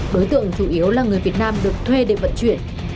đối tượng chủ yếu là người việt nam được thuê để vận chuyển